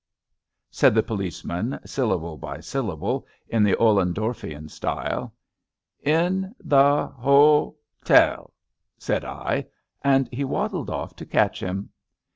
" said the police man, syllable by syllable, in the OUendorfian style. *^ In the ho tel," said I; and he waddled off to catch him.